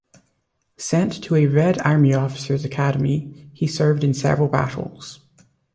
Sent to a Red Army officer's academy, he served in several battles.